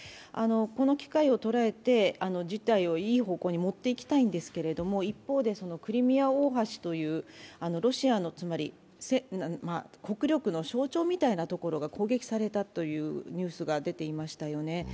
この機会を捉えて事態をいい方向に持っていきたいんですけれども一方で、クリミア大橋というロシアの国力の象徴みたいなところが攻撃されたというニュースが出ていましたよね。